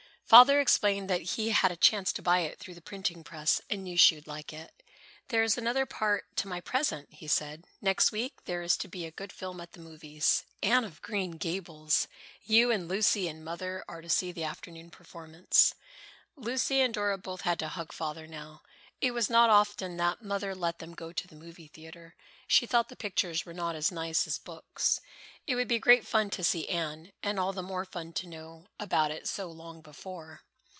Father explained that he had a chance to buy it through the printing press and knew she would like it. "There is another part to my present," he said. "Next week there is to be a good film at the movies, 'Anne of Green Gables.' You and Lucy and Mother are to see the afternoon performance." Lucy and Dora both had to hug Father now. It was not often that Mother let them go to the movie theatre. She thought the pictures were not as nice as books. It would be great fun to see "Anne," and all the more fun to know about it so long before.